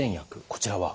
こちらは？